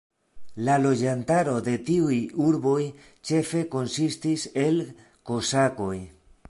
La loĝantaro de tiuj urboj ĉefe konsistis el kozakoj.